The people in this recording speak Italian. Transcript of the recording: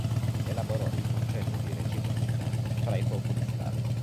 Elaborò il concetto di reciprocità fra i popoli slavi.